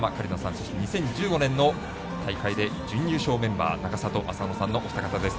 そして、２０１５年の大会で準優勝メンバー永里亜紗乃さんのお二方です。